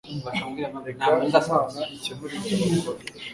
Reka Imana ikemure ibyo bakora,